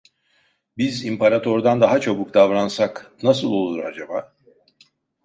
Biz İmparator'dan daha çabuk davransak nasıl olur acaba?